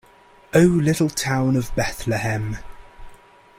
O little town of Bethlehem.